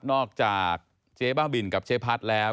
จากเจ๊บ้าบินกับเจ๊พัดแล้ว